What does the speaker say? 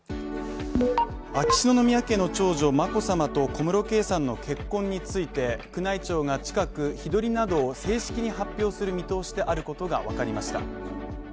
秋篠宮家の長女・眞子さまと小室圭さんの結婚について宮内庁が近く、日取りなどを正式に発表する見通しであることが分かりました。